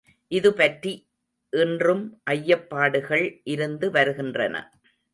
இது பற்றி இன்றும் ஐயப்பாடுகள் இருந்து வருகின்றன.